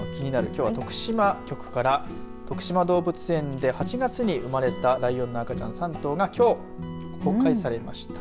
きょうは徳島局からとくしま動物園で８月に生まれたライオンの赤ちゃん３三島がきょうを公開されました。